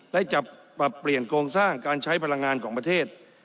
และจะปรับเปลี่ยนโครงสร้างการใช้พลังงานของประเทศ